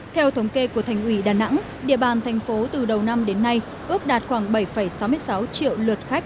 theo thống kê của thành ủy đà nẵng địa bàn thành phố từ đầu năm đến nay ước đạt khoảng bảy sáu mươi sáu triệu lượt khách